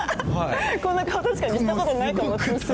こんな顔、確かにしたことないです。